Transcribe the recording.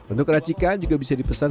untuk racikan juga bisa dipesan